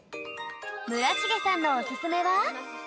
村重さんのおすすめは？